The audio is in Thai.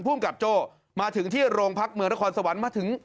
ภูมิกับโจ้มาถึงที่โรงพักเมืองนครสวรรค์มาถึง